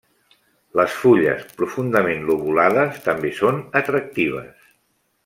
Les fulles profundament lobulades també són atractives.